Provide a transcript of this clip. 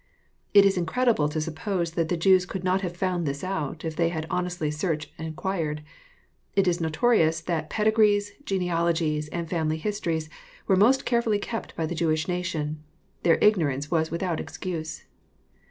It is incredible to suppose that the Jews could not have found this out, if they had honestly searched and inquired. It is notorious that pedigpses, genealogies, and family Jiiistorles were most careiully kept by the Jejsish nation. Their ignorance was without excuse.